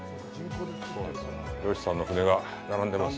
漁師さんの舟が並んでます。